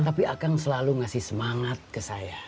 tapi akan selalu ngasih semangat ke saya